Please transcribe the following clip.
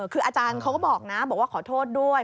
คืออาจารย์เขาก็บอกนะบอกว่าขอโทษด้วย